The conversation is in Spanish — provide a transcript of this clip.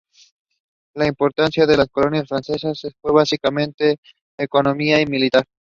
La importancia de las colonias francesas fue básicamente económica y militar.